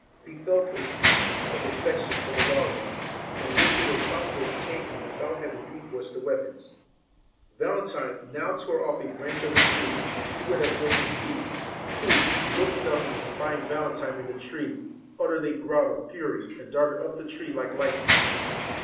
He felt a species of affection for the wild man, and wished it were possible to tame him without having recourse to weapons. Valentine now tore VALEN off a branch of the tree, and threw it at Orson's *NE AND feet; who, looking up and espying Valentine in UKSON the treCj uttere( i a g row l of fury, and darted up the tree like lightning.